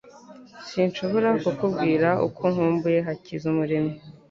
Sinshobora kukubwira uko nkumbuye Hakizamuremyi